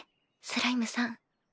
スライムさん